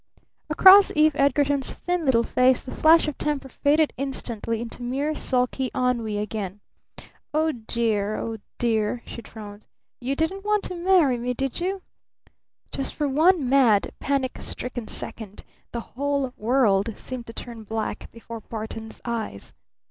Across Eve Edgarton's thin little face the flash of temper faded instantly into mere sulky ennui again. "Oh, dear oh, dear," she droned. "You you didn't want to marry me, did you?" Just for one mad, panic stricken second the whole world seemed to turn black before Barton's eyes.